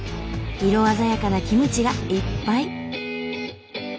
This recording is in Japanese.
色鮮やかなキムチがいっぱい。